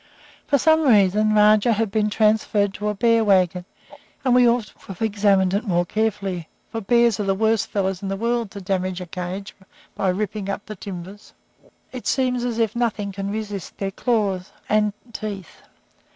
For some reason Rajah had been transferred to a bear wagon, and we ought to have examined it more carefully, for bears are the worst fellows in the world to damage a cage by ripping up the timbers; it seems as if nothing can resist their claws and teeth.